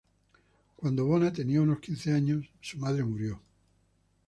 Cuando Bona tenía unos quince años, su madre murió.